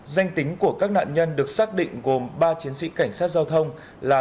danh tính của các nạn nhân được xác định gồm ba chiến sĩ cảnh sát giao thông là